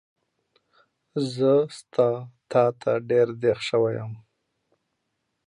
زه ستا تاته ډېر دیغ شوی یم